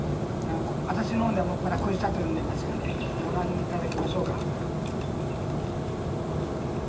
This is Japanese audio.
私の方では専らこしたと呼んでますがねご覧いただきましょうか。